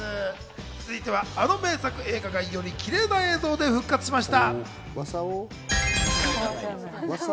続いては、あの名作映画がよりキレイな映像で復活しました。